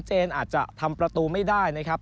อาจจะทำประตูไม่ได้นะครับ